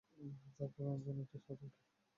তারপরেও, নতুন একটা স্বাদ ওটা।